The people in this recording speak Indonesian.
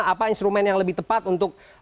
apa instrumen yang lebih tepat untuk